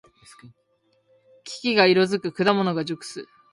木々が色づく。果物が熟す。